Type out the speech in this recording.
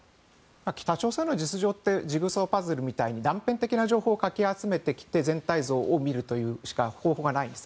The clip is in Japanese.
北朝鮮の実情ってジグソーパズルみたいに断片的な情報をかき集めてきて全体像を見る方法しかないんです。